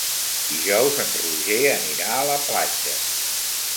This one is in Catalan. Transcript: Dijous en Roger anirà a la platja.